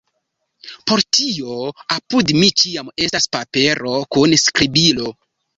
Por tio apud mi ĉiam estas papero kun skribilo.